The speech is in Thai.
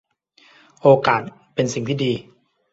โอกาสเป็นสิ่งที่ดี